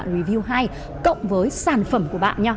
review hai cộng với sản phẩm của bạn